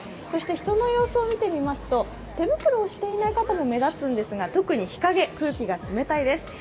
そして人の様子を見てみますと手袋をしていない方も目立つんですが特に日陰、空気が冷たいです。